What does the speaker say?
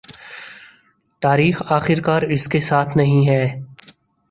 تاریخ آخرکار اس کے ساتھ نہیں ہے